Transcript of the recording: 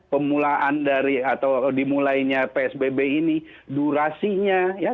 pemulaan dari atau dimulainya psbb ini durasinya ya